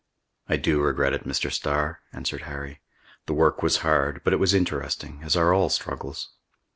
"I do regret it, Mr. Starr," answered Harry. "The work was hard, but it was interesting, as are all struggles."